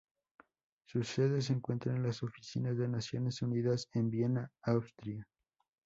Su sede se encuentra en las oficinas de Naciones Unidas en Viena, Austria.